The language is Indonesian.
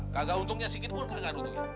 kagak untungnya sikit pun kagak untungnya